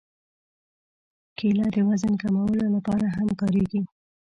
کېله د وزن کمولو لپاره هم کارېږي.